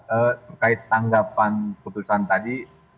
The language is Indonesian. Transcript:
terkait tanggapan keputusan tadi